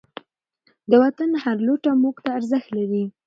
د وطن هر لوټه موږ ته ارزښت لري.